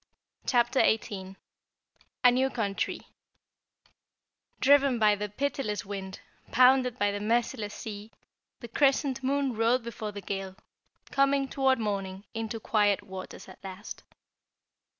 CHAPTER 18 A New Country Driven by the pitiless wind, pounded by the merciless sea, the Crescent Moon rode before the gale, coming, toward morning, into quiet waters at last.